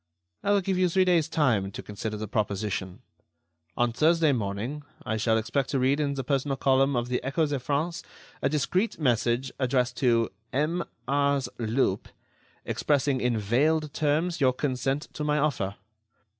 I will give you three days' time to consider the proposition. On Thursday morning I shall expect to read in the personal column of the Echo de France a discreet message addressed to M. Ars. Lup, expressing in veiled terms your consent to my offer.